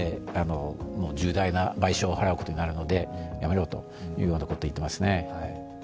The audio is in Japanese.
重大な賠償を払うことになるのでやめろと言ってますね。